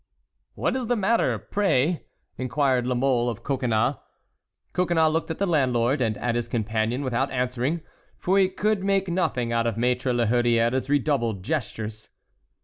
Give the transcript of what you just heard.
"What is the matter, pray?" inquired La Mole of Coconnas. Coconnas looked at the landlord and at his companion without answering, for he could make nothing out of Maître La Hurière's redoubled gestures.